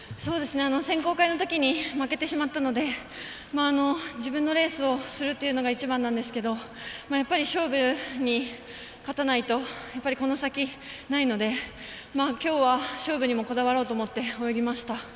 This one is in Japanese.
選考会のとき負けてしまったので自分のレースをするっていうのが一番なんですけどやっぱり勝負に勝たないとやっぱり、この先ないのできょうは、勝負にもこだわろうと思って泳ぎました。